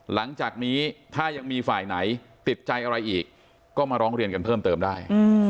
หลังจากนี้ถ้ายังมีฝ่ายไหนติดใจอะไรอีกก็มาร้องเรียนกันเพิ่มเติมได้